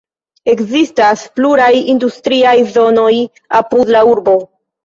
Ekzistas pluraj industriaj zonoj apud la urbo.